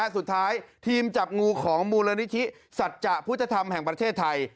สุดท้ายทีมจับงูของมูลนิธิสัจจะพุทธธรรมแห่งประเทศไทย